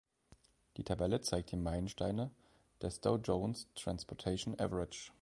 Die Tabelle zeigt die Meilensteine des Dow Jones Transportation Average.